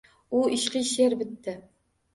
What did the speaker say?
U ishqiy she’r bitdi.